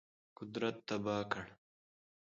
قدرت تباه کړ.